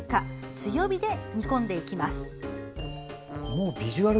強火で煮込んでいきます。